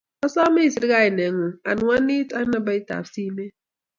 asome iser kainet ng'ung',anwanit ak nambaitab simet,